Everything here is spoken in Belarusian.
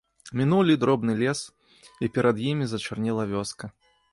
Мінулі дробны лес, і перад імі зачарнела вёска.